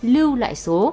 lưu lại số